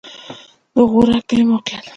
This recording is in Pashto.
د غورک کلی موقعیت